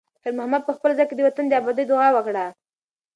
خیر محمد په خپل زړه کې د وطن د ابادۍ دعا وکړه.